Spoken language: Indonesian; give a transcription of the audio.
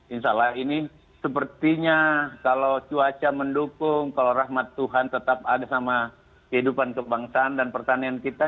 insya allah ini sepertinya kalau cuaca mendukung kalau rahmat tuhan tetap ada sama kehidupan kebangsaan dan pertanian kita